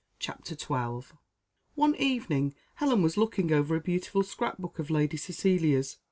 CHAPTER XII. One evening, Helen was looking over a beautiful scrap book of Lady Cecilia's.